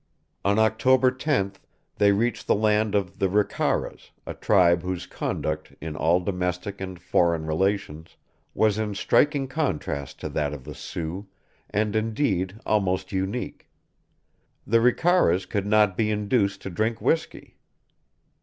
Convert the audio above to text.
On October 10th they reached the land of the Ricaras, a tribe whose conduct, in all domestic and foreign relations, was in striking contrast to that of the Sioux, and indeed almost unique. The Ricaras could not be induced to drink whiskey!